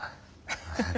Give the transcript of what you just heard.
ハハハッ。